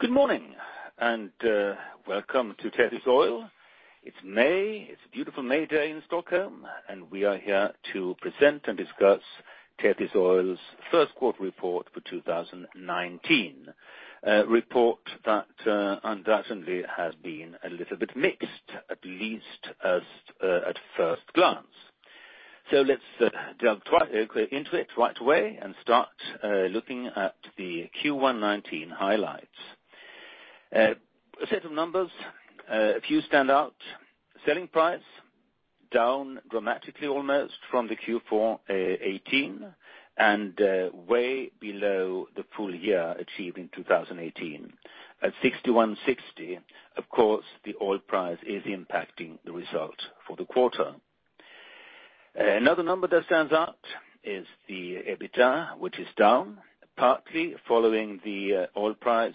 Good morning, welcome to Tethys Oil. It's May. It's a beautiful May day in Stockholm, we are here to present and discuss Tethys Oil's first quarter report for 2019. A report that undoubtedly has been a little bit mixed, at least at first glance. Let's dive into it right away and start looking at the Q1 2019 highlights. A set of numbers, a few stand out. Selling price, down dramatically almost from the Q4 2018, and way below the full year achieved in 2018. At 61.60, of course, the oil price is impacting the result for the quarter. Another number that stands out is the EBITDA, which is down partly following the oil price,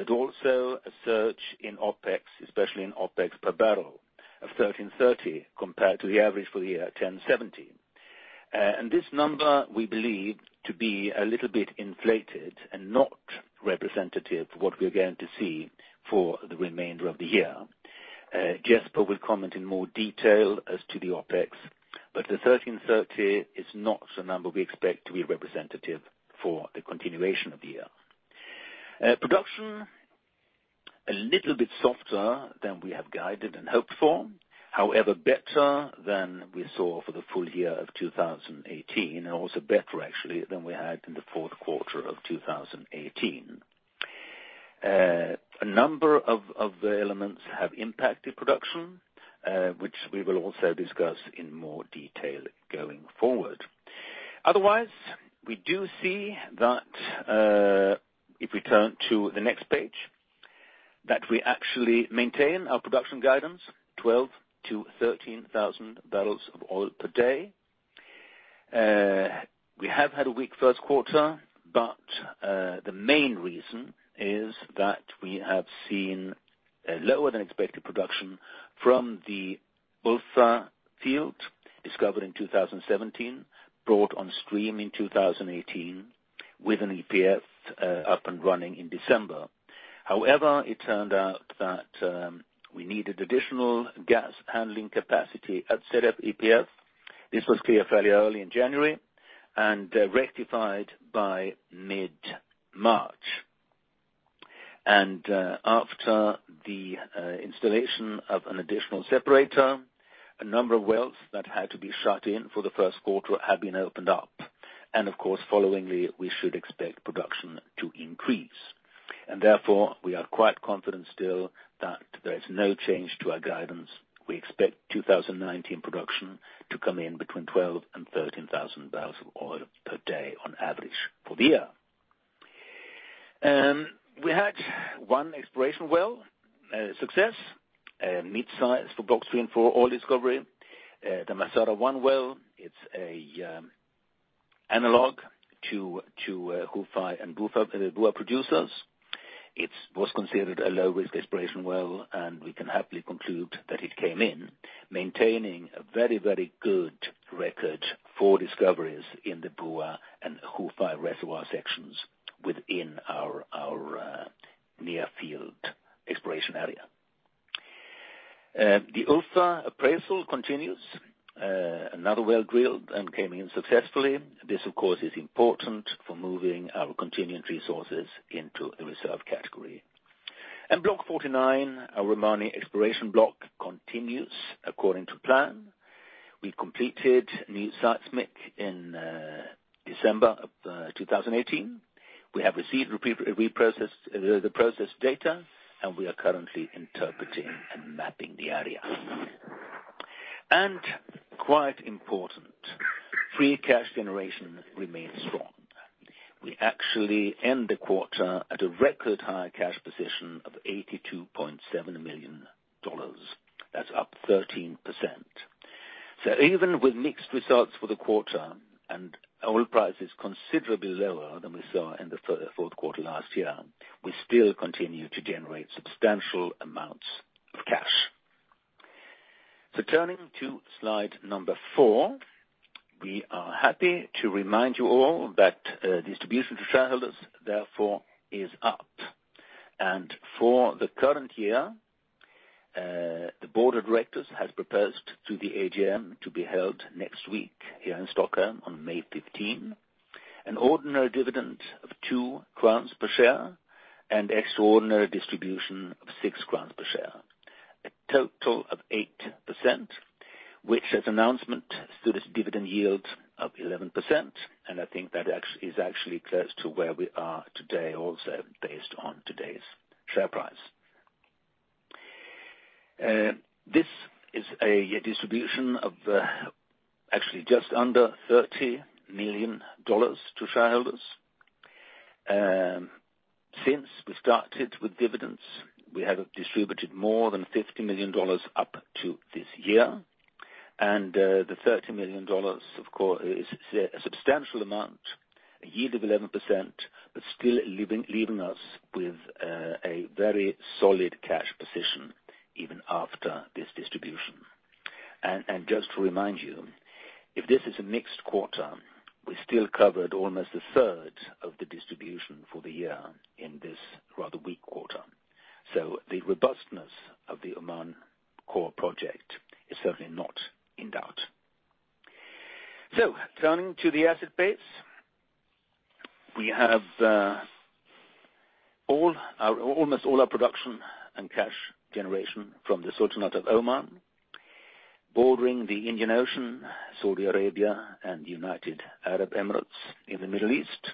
but also a surge in OpEx, especially in OpEx per barrel of 13.30 compared to the average for the year, 10.70. This number, we believe to be a little bit inflated and not representative of what we are going to see for the remainder of the year. Jesper will comment in more detail as to the OpEx, but the 13.30 is not the number we expect to be representative for the continuation of the year. Production, a little bit softer than we have guided and hoped for, however better than we saw for the full year of 2018, and also better actually than we had in the fourth quarter of 2018. A number of the elements have impacted production, which we will also discuss in more detail going forward. Otherwise, we do see that, if we turn to the next page, that we actually maintain our production guidance, 12,000 to 13,000 barrels of oil per day. We have had a weak first quarter, but the main reason is that we have seen a lower than expected production from the Ulfa field discovered in 2017, brought on stream in 2018 with an EPF up and running in December. However, it turned out that we needed additional gas handling capacity at set of EPF. This was clear fairly early in January and rectified by mid-March. After the installation of an additional separator, a number of wells that had to be shut in for the first quarter have been opened up. Of course, followingly, we should expect production to increase. Therefore, we are quite confident still that there is no change to our guidance. We expect 2019 production to come in between 12,000 and 13,000 barrels of oil per day on average for the year. We had one exploration well, success, a mid-size for Block 3 and 4 oil discovery. The Masara-1 well, it's an analog to Khufai and Buah producers. It was considered a low-risk exploration well, and we can happily conclude that it came in maintaining a very good record for discoveries in the Buah and Khufai reservoir sections within our near field exploration area. The Ulfa appraisal continues. Another well drilled and came in successfully. This, of course, is important for moving our continuing resources into a reserve category. Block 49, our Romani exploration block continues according to plan. We completed new seismic in December 2018. We have received the processed data, and we are currently interpreting and mapping the area. Quite important, free cash generation remains strong. We actually end the quarter at a record high cash position of $82.7 million. That's up 13%. Even with mixed results for the quarter and oil prices considerably lower than we saw in the fourth quarter last year, we still continue to generate substantial amounts of cash. Turning to slide number four, we are happy to remind you all that distribution to shareholders therefore is up. For the current year, the board of directors has proposed to the AGM to be held next week here in Stockholm on May 15, an ordinary dividend of 2 crowns per share and extraordinary distribution of 6 crowns per share. A total of 8%, which as announcement stood as dividend yield of 11%, and I think that is actually close to where we are today also based on today's share price. This is a distribution of actually just under $30 million to shareholders. Since we started with dividends, we have distributed more than $50 million up to this year. The $30 million, of course, is a substantial amount, a yield of 11%, but still leaving us with a very solid cash position even after this distribution. Just to remind you, if this is a mixed quarter, we still covered almost a third of the distribution for the year in this rather weak quarter. The robustness of the Oman core project is certainly not in doubt. Turning to the asset base, we have almost all our production and cash generation from the Sultanate of Oman, bordering the Indian Ocean, Saudi Arabia and United Arab Emirates in the Middle East.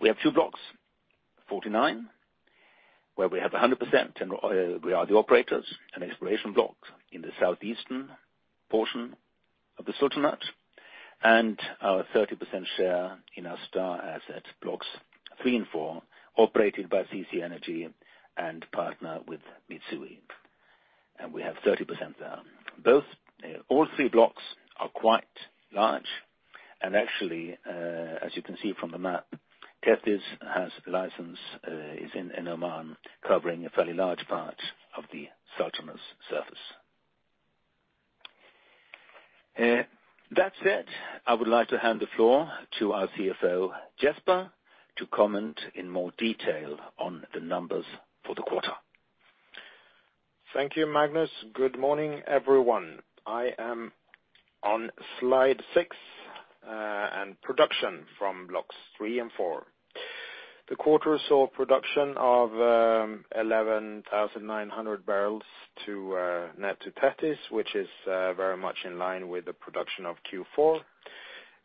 We have two blocks, 49, where we have 100% and we are the operators, an exploration block in the southeastern portion of the sultanate, and our 30% share in our star asset, blocks three and four, operated by CC Energy and partner with Mitsui. We have 30% there. All three blocks are quite large and actually, as you can see from the map, Tethys has a license in Oman covering a fairly large part of the sultanate's surface. That said, I would like to hand the floor to our CFO, Jesper, to comment in more detail on the numbers for the quarter. Thank you, Magnus. Good morning, everyone. I am on slide six, and production from blocks three and four. The quarter saw production of 11,900 barrels net to Tethys, which is very much in line with the production of Q4.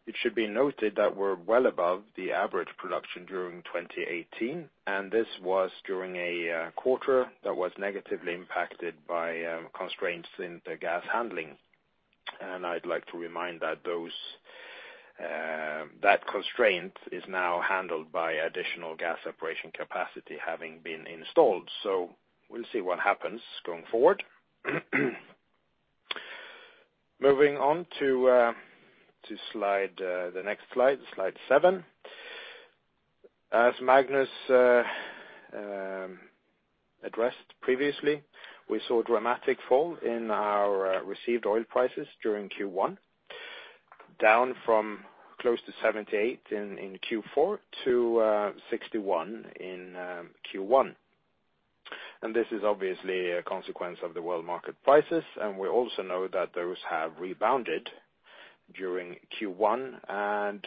It should be noted that we're well above the average production during 2018, and this was during a quarter that was negatively impacted by constraints in the gas handling. I'd like to remind that constraint is now handled by additional gas separation capacity having been installed. We'll see what happens going forward. Moving on to the next slide seven. As Magnus addressed previously, we saw a dramatic fall in our received oil prices during Q1, down from close to $78 in Q4 to $61 in Q1. This is obviously a consequence of the world market prices, and we also know that those have rebounded during Q1.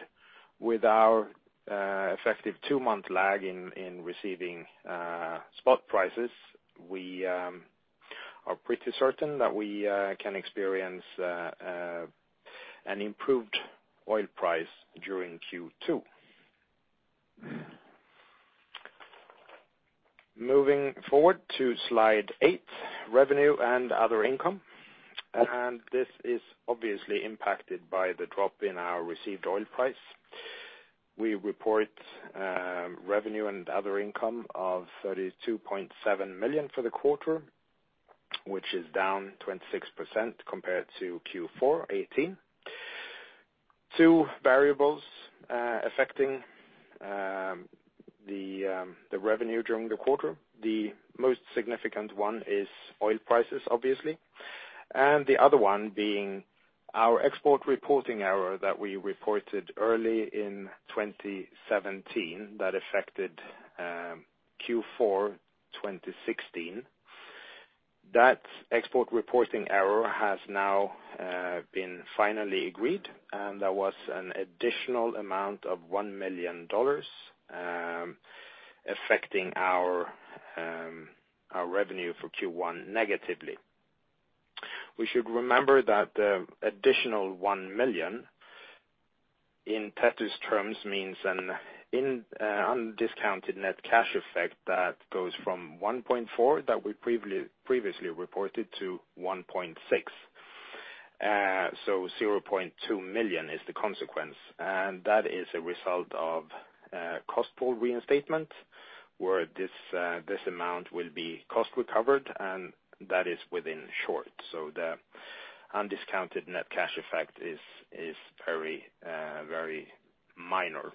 With our effective 2-month lag in receiving spot prices, we are pretty certain that we can experience an improved oil price during Q2. Moving forward to slide 8, revenue and other income. This is obviously impacted by the drop in our received oil price. We report revenue and other income of $32.7 million for the quarter, which is down 26% compared to Q4 2018. Two variables affecting the revenue during the quarter. The most significant one is oil prices, obviously, the other one being our export reporting error that we reported early in 2017 that affected Q4 2016. That export reporting error has now been finally agreed, there was an additional amount of $1 million affecting our revenue for Q1 negatively. We should remember that the additional $1 million in Tethys terms means an undiscounted net cash effect that goes from $1.4 that we previously reported to $1.6. $0.2 million is the consequence, that is a result of a cost pool reinstatement, where this amount will be cost recovered, that is within short. The undiscounted net cash effect is very minor.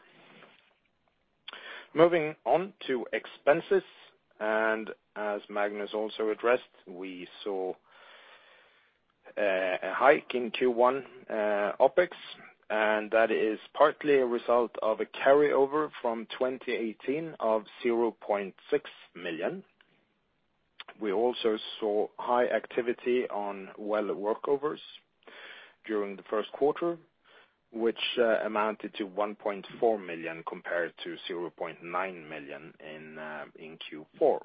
Moving on to expenses, as Magnus also addressed, we saw a hike in Q1 OpEx, that is partly a result of a carryover from 2018 of $0.6 million. We also saw high activity on well workovers during the first quarter, which amounted to $1.4 million compared to $0.9 million in Q4.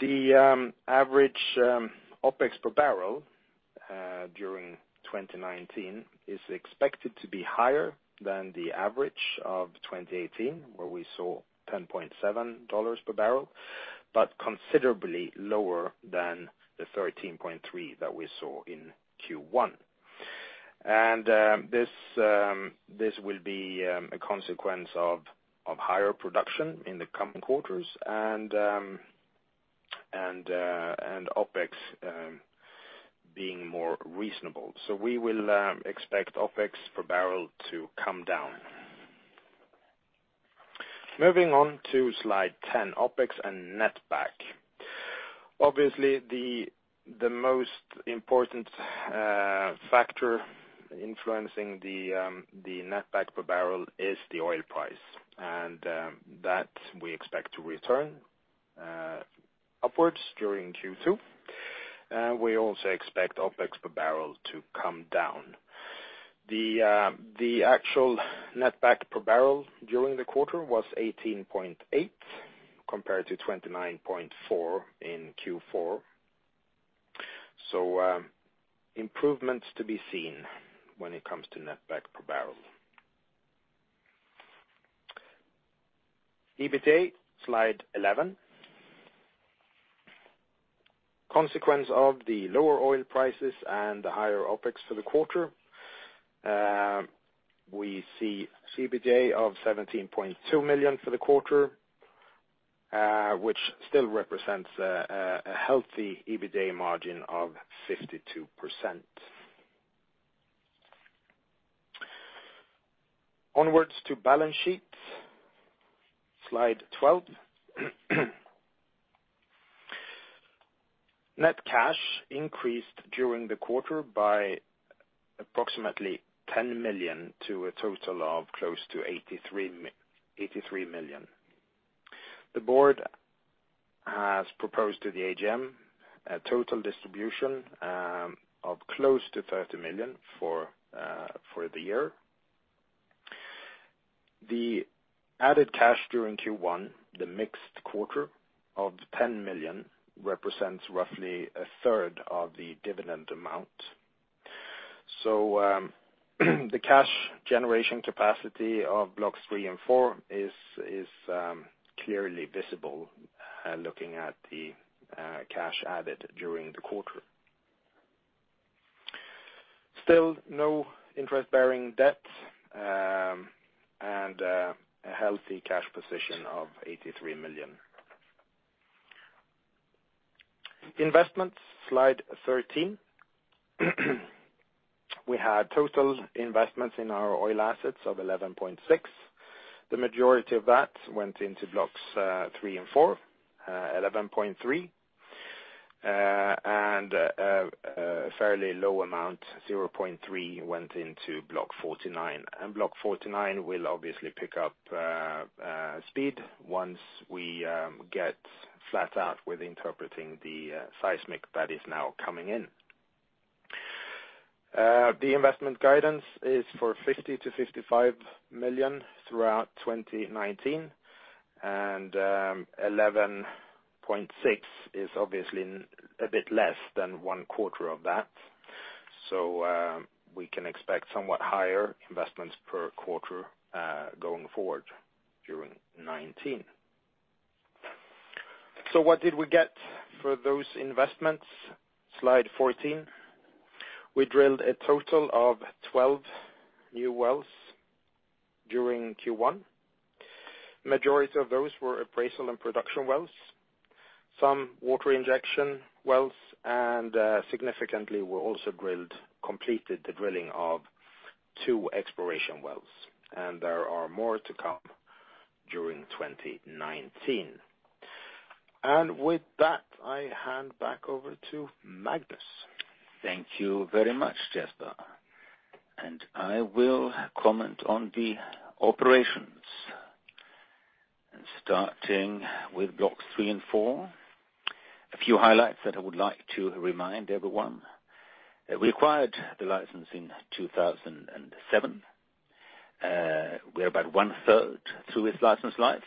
The average OpEx per barrel during 2019 is expected to be higher than the average of 2018, where we saw $10.7 per barrel, but considerably lower than the $13.3 that we saw in Q1. This will be a consequence of higher production in the coming quarters and OpEx being more reasonable. We will expect OpEx per barrel to come down. Moving on to slide 10, OpEx and netback. Obviously, the most important factor influencing the netback per barrel is the oil price, that we expect to return upwards during Q2. We also expect OpEx per barrel to come down. The actual netback per barrel during the quarter was $18.8 compared to $29.4 in Q4. Improvements to be seen when it comes to netback per barrel. EBITA, slide 11. Consequence of the lower oil prices and the higher OpEx for the quarter. We see EBITA of $17.2 million for the quarter, which still represents a healthy EBITA margin of 52%. Onwards to balance sheet, slide 12. Net cash increased during the quarter by approximately $10 million to a total of close to $83 million. The board has proposed to the AGM a total distribution of close to $30 million for the year. The added cash during Q1, the mixed quarter of $10 million, represents roughly a third of the dividend amount. The cash generation capacity of Blocks 3 and 4 is clearly visible looking at the cash added during the quarter. Still no interest-bearing debt, a healthy cash position of $83 million. Investments, slide 13. We had total investments in our oil assets of $11.6. The majority of that went into Blocks 3 and 4, $11.3, a fairly low amount, $0.3, went into Block 49. Block 49 will obviously pick up speed once we get flat out with interpreting the seismic that is now coming in. The investment guidance is for 50 million-55 million throughout 2019, and 11.6 million is obviously a bit less than one quarter of that. We can expect somewhat higher investments per quarter, going forward during 2019. What did we get for those investments? Slide 14. We drilled a total of 12 new wells during Q1. Majority of those were appraisal and production wells, some water injection wells, and significantly we also completed the drilling of two exploration wells, and there are more to come during 2019. With that, I hand back over to Magnus. Thank you very much, Jesper. I will comment on the operations. Starting with Blocks three and four. A few highlights that I would like to remind everyone. We acquired the license in 2007. We are about one third through its license life,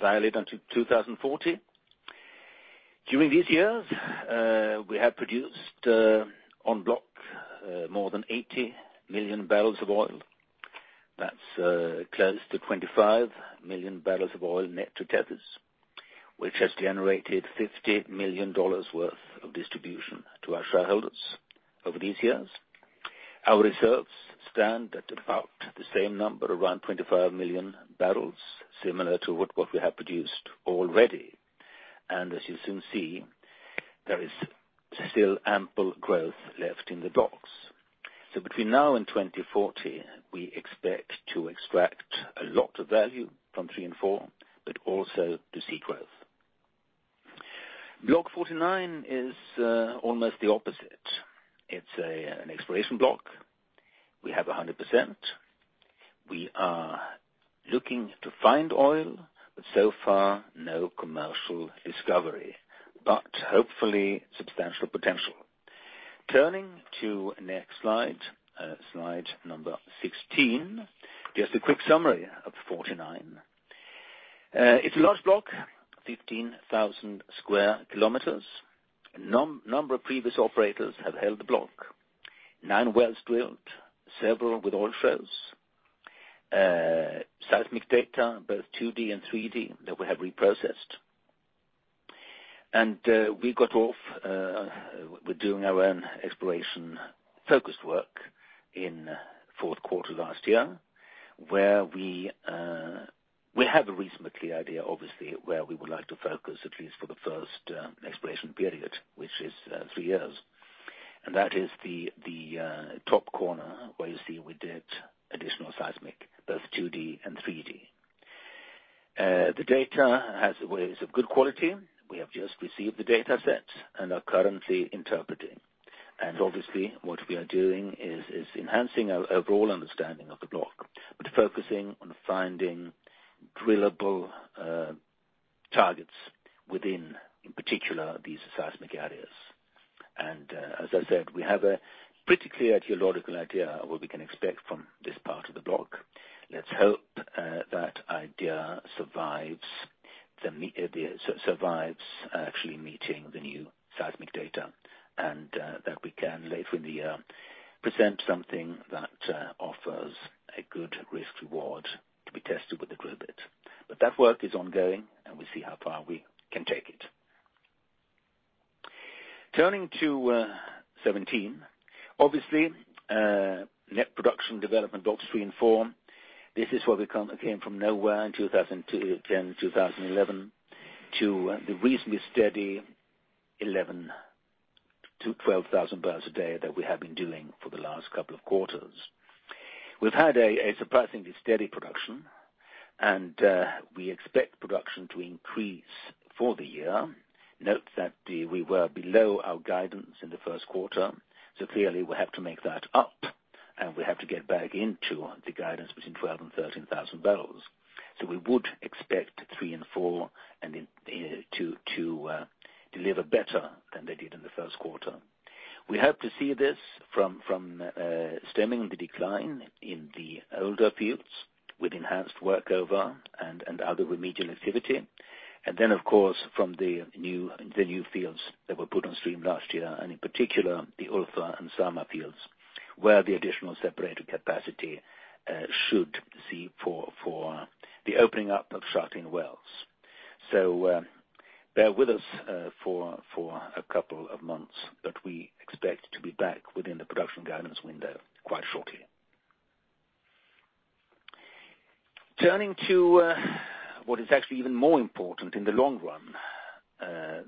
valid until 2040. During these years, we have produced on block, more than 80 million barrels of oil. That is close to 25 million barrels of oil net to Tethys, which has generated $50 million worth of distribution to our shareholders over these years. Our reserves stand at about the same number, around 25 million barrels, similar to what we have produced already. As you will soon see, there is still ample growth left in the blocks. Between now and 2040, we expect to extract a lot of value from three and four, but also to see growth. Block 49 is almost the opposite. It is an exploration block. We have 100%. We are looking to find oil, but so far no commercial discovery, hopefully substantial potential. Turning to next slide, Slide number 16. Just a quick summary of 49. It is a large block, 15,000 sq km. A number of previous operators have held the block. Nine wells drilled, several with oil shows. Seismic data, both 2D and 3D, that we have reprocessed. We got off with doing our own exploration-focused work in Q4 last year, where we have a reasonably clear idea, obviously, where we would like to focus at least for the first exploration period, which is three years. That is the top corner where you see we did additional seismic, both 2D and 3D. The data is of good quality. We have just received the data set and are currently interpreting. Obviously, what we are doing is enhancing our overall understanding of the block, but focusing on finding drillable targets within, in particular, these seismic areas. As I said, we have a pretty clear geological idea of what we can expect from this part of the block. Let us hope that idea survives actually meeting the new seismic data, and that we can later in the year present something that offers a good risk-reward to be tested with the drill bit. That work is ongoing, and we will see how far we can take it. Turning to 17. Obviously, net production development Blocks three and four, this is where we came from nowhere in 2010-2011 to the reasonably steady 11,000-12,000 barrels a day that we have been doing for the last couple of quarters. We've had a surprisingly steady production, and we expect production to increase for the year. Note that we were below our guidance in the first quarter. Clearly, we have to make that up, and we have to get back into the guidance between 12,000 and 13,000 barrels. We would expect 3 and 4 to deliver better than they did in the first quarter. We hope to see this from stemming the decline in the older fields with enhanced workover and other remedial activity. Then, of course, from the new fields that were put on stream last year, in particular, the Ulfa and Samha fields, where the additional separator capacity should see for the opening up of shutting wells. Bear with us for a couple of months, but we expect to be back within the production guidance window quite shortly. Turning to what is actually even more important in the long run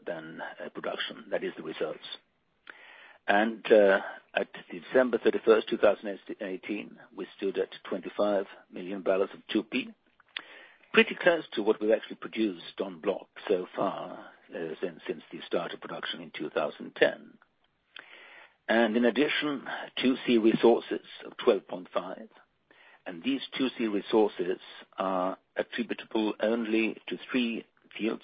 than production, that is the results. At December 31st, 2018, we stood at 25 million barrels of 2P. Pretty close to what we've actually produced on block so far since the start of production in 2010. In addition, 2C resources of 12.5 million barrels. These 2C resources are attributable only to 3 fields,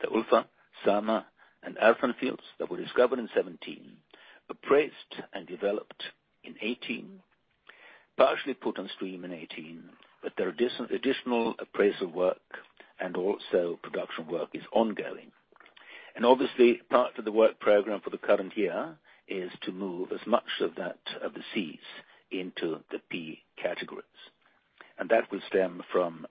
the Ulfa, Samha, and Erfan fields that were discovered in 2017, appraised and developed in 2018, partially put on stream in 2018, but there are additional appraisal work and also production work is ongoing. Obviously, part of the work program for the current year is to move as much of the Cs into the P categories. That will stem from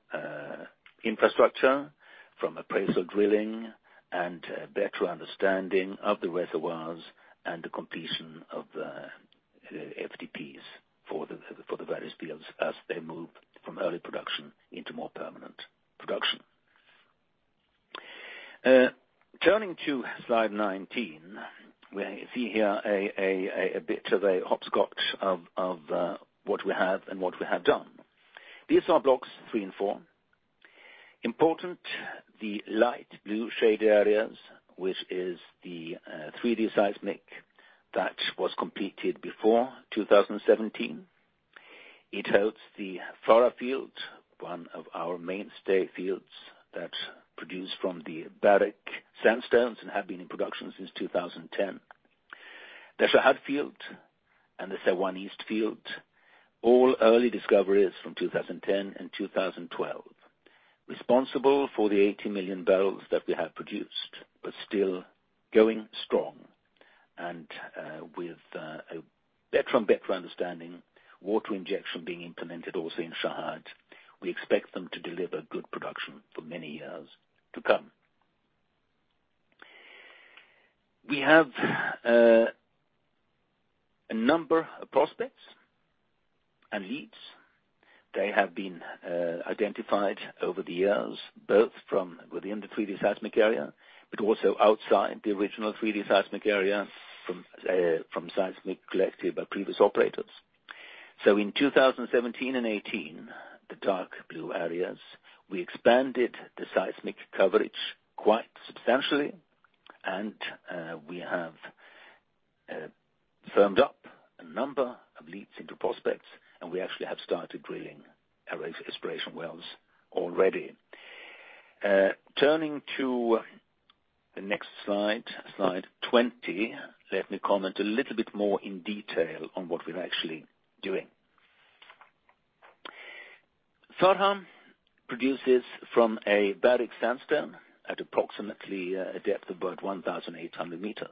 infrastructure, from appraisal drilling, and better understanding of the reservoirs and the completion of the FDPs for the various fields as they move from early production into more permanent production. Turning to slide 19. We see here a bit of a hopscotch of what we have and what we have done. These are blocks 3 and 4. Important, the light blue shaded areas, which is the 3D seismic that was completed before 2017. It holds the Farha field, one of our mainstay fields that produce from the Barik sandstones and have been in production since 2010. The Shahad field and the Saiwan East field, all early discoveries from 2010 and 2012, responsible for the 80 million barrels that we have produced, but still going strong. With a better understanding, water injection being implemented also in Shahad, we expect them to deliver good production for many years to come. We have a number of prospects and leads. They have been identified over the years, both from within the 3D seismic area, also outside the original 3D seismic area from seismic collected by previous operators. In 2017 and 2018, the dark blue areas, we expanded the seismic coverage quite substantially, and we have firmed up a number of leads into prospects, and we actually have started drilling exploration wells already. Turning to the next slide 20. Let me comment a little bit more in detail on what we're actually doing. Farha produces from a Barik sandstone at approximately a depth of about 1,800 meters.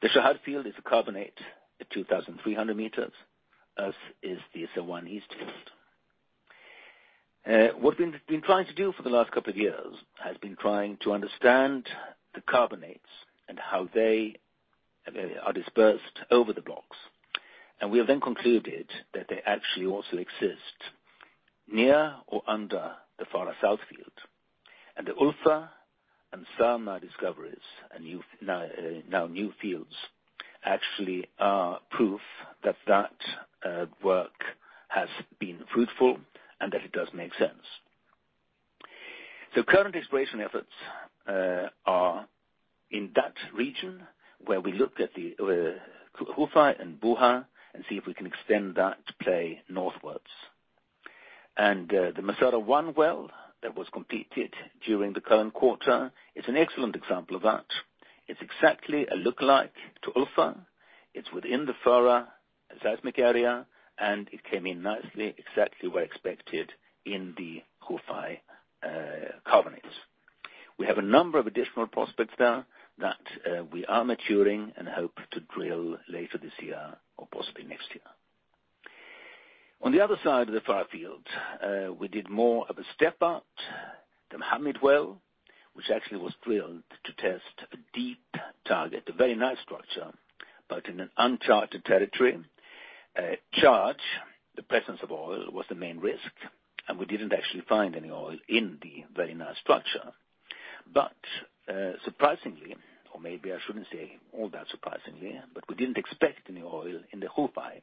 The Shahad field is a carbonate at 2,300 meters, as is the Saiwan East field. What we've been trying to do for the last couple of years has been trying to understand the carbonates and how they are dispersed over the block. We have then concluded that they actually also exist near or under the Farha South field. The Ulfa and Samha discoveries, now new fields, actually are proof that work has been fruitful and that it does make sense. Current exploration efforts are in that region where we looked at the Khufai and Buah and see if we can extend that play northwards. The Masara-1 well that was completed during the current quarter is an excellent example of that. It's exactly a lookalike to Ulfa. It's within the Farha seismic area, and it came in nicely, exactly where expected in the Khufai carbonates. We have a number of additional prospects there that we are maturing and hope to drill later this year or possibly next year. On the other side of the Farha field, we did more of a step out, the Mahamit well, which actually was drilled to test a deep target, a very nice structure, but in an uncharted territory. Charge, the presence of oil was the main risk, and we didn't actually find any oil in the very nice structure. Surprisingly, or maybe I shouldn't say all that surprisingly, we didn't expect any oil in the Khufai.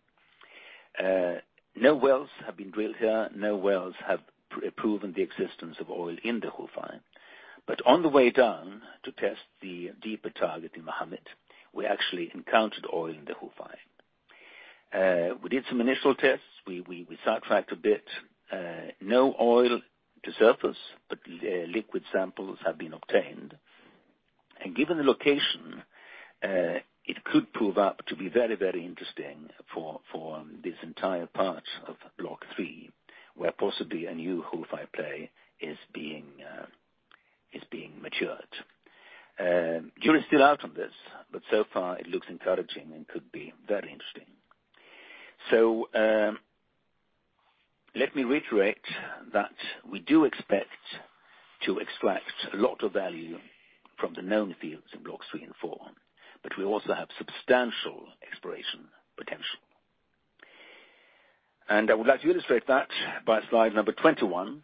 No wells have been drilled here. No wells have proven the existence of oil in the Khufai. On the way down to test the deeper target in Mahamit, we actually encountered oil in the Khufai. We did some initial tests. We sidetracked a bit. No oil to surface, but liquid samples have been obtained. Given the location, it could prove out to be very interesting for this entire part of Block 3, where possibly a new Khufai play is being matured. Jury's still out on this, but so far it looks encouraging and could be very interesting. Let me reiterate that we do expect to extract a lot of value from the known fields in Blocks 3 and 4, but we also have substantial exploration potential. I would like to illustrate that by slide number 21,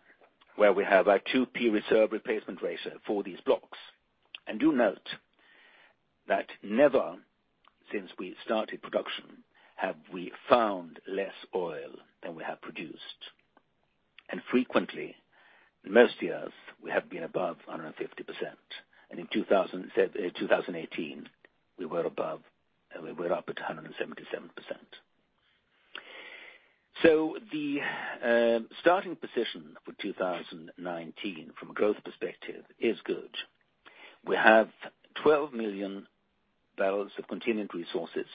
where we have our two-period reserve replacement ratio for these blocks. Do note that never since we started production have we found less oil than we have produced. Frequently, in most years, we have been above 150%. In 2018, we were up at 177%. The starting position for 2019 from a growth perspective is good. We have 12 million barrels of continued resources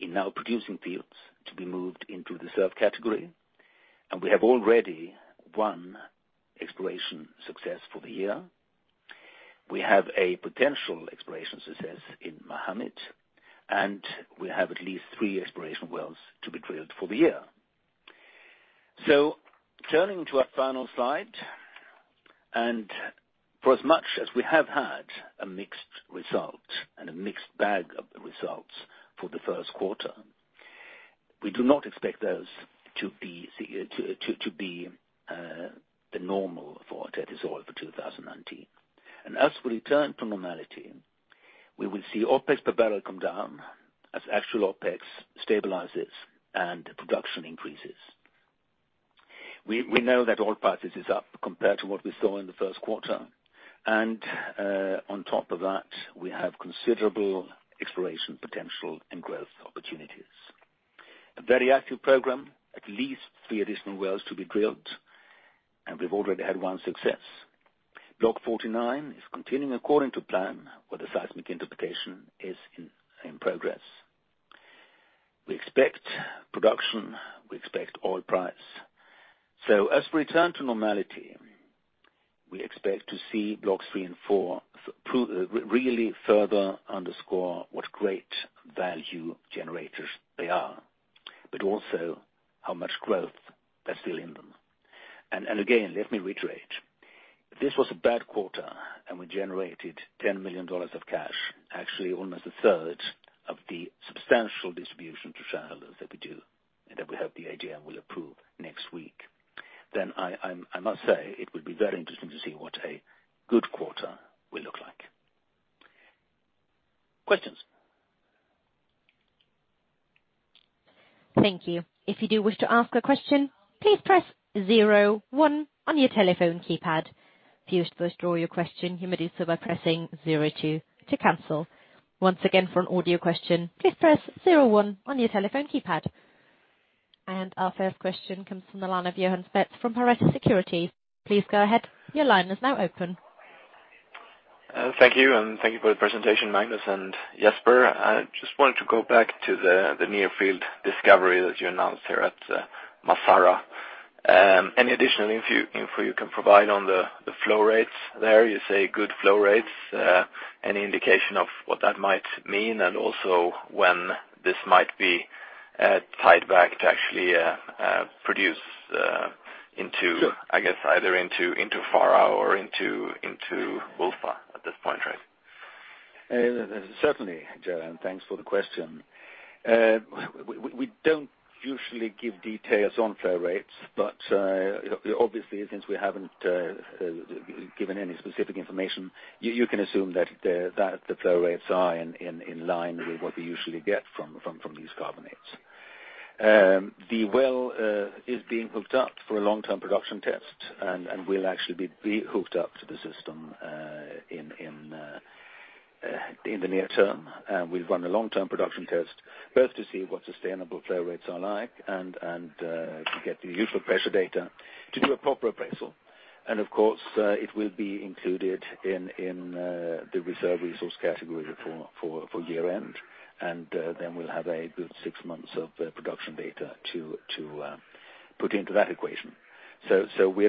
in our producing fields to be moved into the reserved category, and we have already one exploration success for the year. We have a potential exploration success in Mahamit, and we have at least three exploration wells to be drilled for the year. Turning to our final slide, and for as much as we have had a mixed result and a mixed bag of results for the first quarter, we do not expect those to be the normal for Tethys Oil for 2019. As we return to normality, we will see OpEx per barrel come down as actual OpEx stabilizes and production increases. We know that oil price is up compared to what we saw in the first quarter. On top of that, we have considerable exploration potential and growth opportunities. A very active program, at least 3 additional wells to be drilled, and we've already had one success. Block 49 is continuing according to plan, where the seismic interpretation is in progress. We expect production, we expect oil price. As we return to normality, we expect to see Blocks 3 and 4 really further underscore what great value generators they are, but also how much growth there's still in them. Again, let me reiterate. This was a bad quarter, and we generated $10 million of cash, actually almost a third of the substantial distribution to shareholders that we do and that we hope the AGM will approve next week. I must say it will be very interesting to see what a good quarter will look like. Questions? Thank you. If you do wish to ask a question, please press zero one on your telephone keypad. If you wish to withdraw your question, you may do so by pressing zero two to cancel. Once again for an audio question, please press zero one on your telephone keypad. Our first question comes from the line of Johan Spetz from Pareto Securities. Please go ahead. Your line is now open. Thank you, and thank you for the presentation, Magnus and Jesper. I just wanted to go back to the near field discovery that you announced here at Masara. Any additional info you can provide on the flow rates there? You say good flow rates. Any indication of what that might mean? Also when this might be tied back to actually produce either into Farha or into Ulfa at this point, right? Certainly, Johan. Thanks for the question. We don't usually give details on flow rates. Obviously since we haven't given any specific information, you can assume that the flow rates are in line with what we usually get from these carbonates. The well is being hooked up for a long-term production test and will actually be hooked up to the system in the near term. We've run a long-term production test, both to see what sustainable flow rates are like and to get the useful pressure data to do a proper appraisal. Of course, it will be included in the reserve resource category for year-end. Then we'll have a good six months of production data to put into that equation. So we're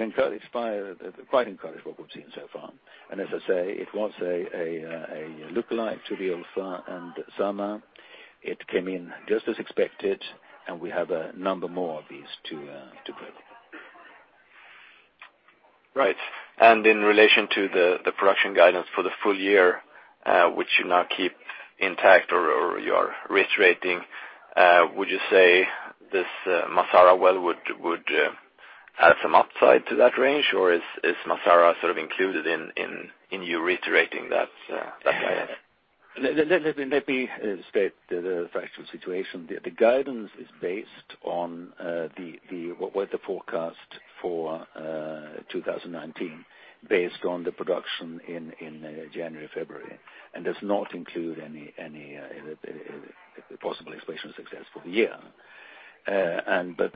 quite encouraged with what we've seen so far. As I say, it was a lookalike to the Ulfa and Sama. It came in just as expected, we have a number more of these to go. Right. In relation to the production guidance for the full year, which you now keep intact or you are reiterating, would you say this Masara well would add some upside to that range, or is Masara sort of included in you reiterating that guidance? Let me state the factual situation. The guidance is based on what was the forecast for 2019 based on the production in January, February, and does not include any possible exploration success for the year.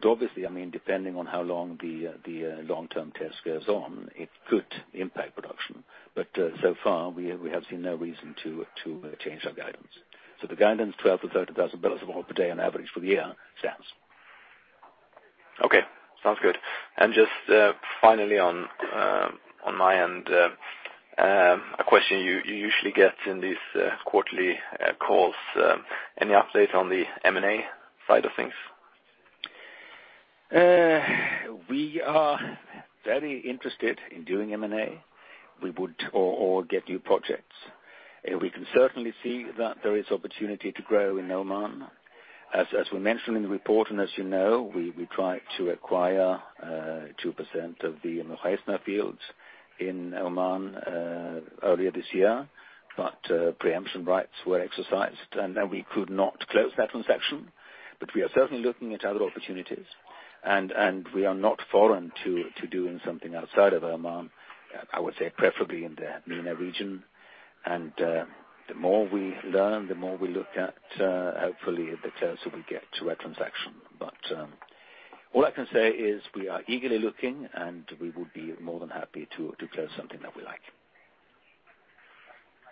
Obviously, depending on how long the long-term test goes on, it could impact production. So far, we have seen no reason to change our guidance. The guidance, 12,000-13,000 barrels of oil per day on average for the year stands. Okay, sounds good. Just finally on my end, a question you usually get in these quarterly calls. Any update on the M&A side of things? We are very interested in doing M&A or get new projects. We can certainly see that there is opportunity to grow in Oman. As we mentioned in the report, and as you know, we tried to acquire 2% of the Mukhaizna fields in Oman earlier this year, preemption rights were exercised, and then we could not close that transaction. We are certainly looking at other opportunities, and we are not foreign to doing something outside of Oman. I would say preferably in the MENA region. The more we learn, the more we look at, hopefully the closer we get to a transaction. All I can say is we are eagerly looking, and we would be more than happy to close something that we like.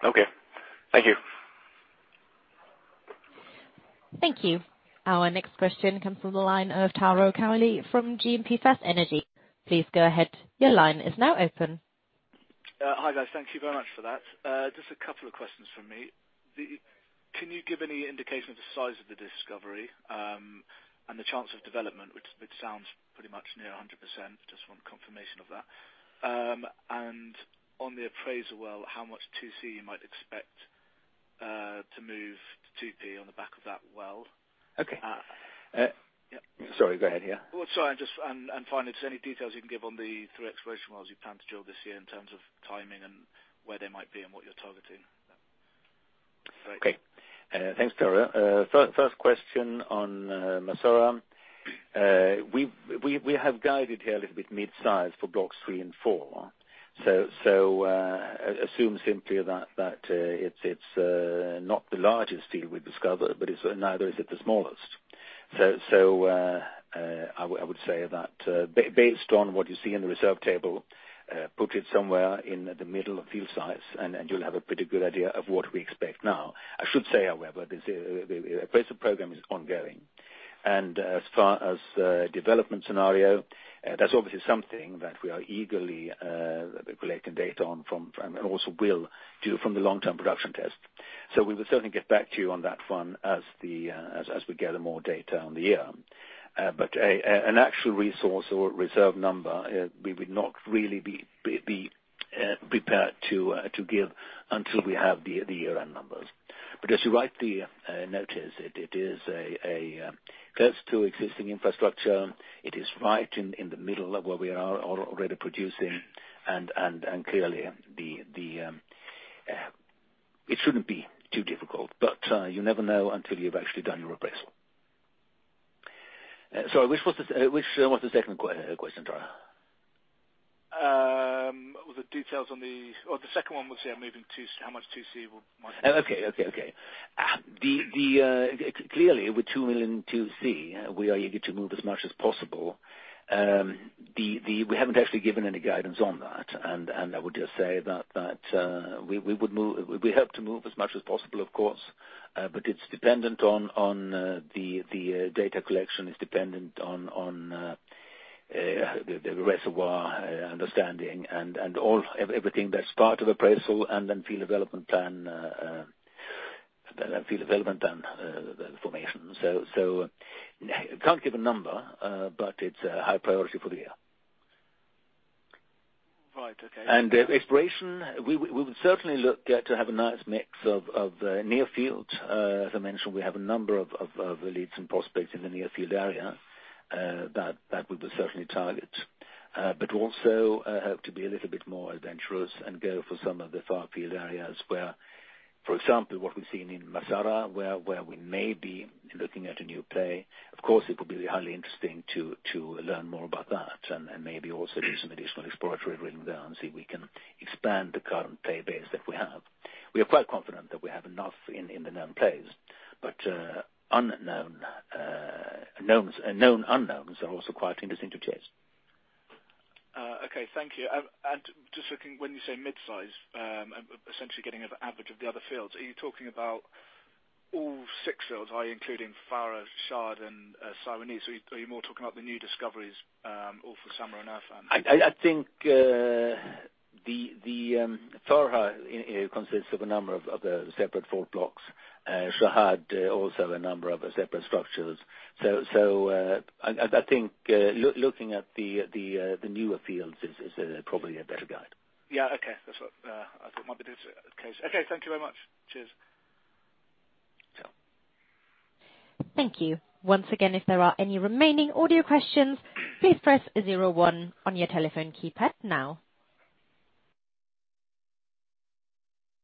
Okay. Thank you. Thank you. Our next question comes from the line of Taro Kawai from GMP FirstEnergy. Please go ahead. Your line is now open. Hi, guys. Thank you very much for that. Just a couple of questions from me. Can you give any indication of the size of the discovery, and the chance of development, which sounds pretty much near 100%? Just want confirmation of that. On the appraisal well, how much 2C you might expect to move to 2P on the back of that well? Okay. Yep. Sorry, go ahead, yeah. Sorry, finally, just any details you can give on the three exploration wells you plan to drill this year in terms of timing and where they might be and what you're targeting? Okay. Thanks, Taro. First question on Masara. We have guided here a little bit mid-size for blocks three and four. Assume simply that it's not the largest deal we've discovered, but neither is it the smallest. I would say that based on what you see in the reserve table, put it somewhere in the middle of field size, and you'll have a pretty good idea of what we expect now. I should say, however, the appraisal program is ongoing. As far as development scenario, that's obviously something that we are eagerly collecting data on from, and also will do from the long-term production test. We will certainly get back to you on that one as we gather more data on the year. An actual resource or reserve number, we would not really be prepared to give until we have the year-end numbers. As you rightly notice, it is close to existing infrastructure. It is right in the middle of where we are already producing, and clearly, it shouldn't be too difficult, but you never know until you've actually done your appraisal. Sorry, which was the second question, Taro? The details on the second one was, moving 2C, how much 2C we. Okay. Clearly, with 2 million 2C, we are eager to move as much as possible. We haven't actually given any guidance on that, I would just say that we hope to move as much as possible, of course, but it's dependent on the data collection, it's dependent on the reservoir understanding, and everything that's part of appraisal and then field development plan formation. Can't give a number, but it's a high priority for the year. Right. Okay. Exploration, we would certainly look to have a nice mix of near field. As I mentioned, we have a number of leads and prospects in the near field area that we would certainly target. Also have to be a little bit more adventurous and go for some of the far field areas where, for example, what we've seen in Masara, where we may be looking at a new play. Of course, it could be highly interesting to learn more about that and maybe also do some additional exploratory drilling there and see if we can expand the current play base that we have. We are quite confident that we have enough in the known plays, but known unknowns are also quite interesting to chase. Okay. Thank you. Just looking, when you say mid-size, essentially getting an average of the other fields, are you talking about all six fields? Are you including Faraj, Shahad, and Saroni? Are you more talking about the new discoveries, or for Samrah and Afram? I think the Faraj consists of a number of other separate fault blocks. Shahad also have a number of separate structures. I think looking at the newer fields is probably a better guide. Yeah. Okay. That's what I thought might be the case. Okay. Thank you very much. Cheers. Sure. Thank you. Once again, if there are any remaining audio questions, please press zero one on your telephone keypad now.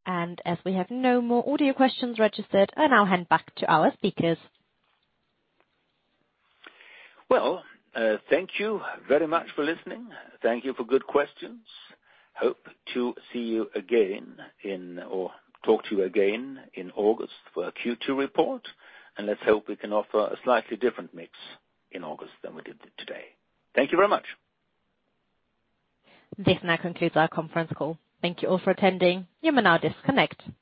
As we have no more audio questions registered, I now hand back to our speakers. Well, thank you very much for listening. Thank you for good questions. Hope to see you again, or talk to you again in August for our Q2 report. Let's hope we can offer a slightly different mix in August than we did today. Thank you very much. This now concludes our conference call. Thank you all for attending. You may now disconnect.